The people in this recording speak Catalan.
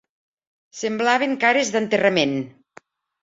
...semblaven cares d'enterrament